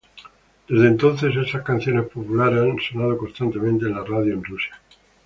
Desde entonces, estas canciones populares han sonado constantemente en la radio en Rusia.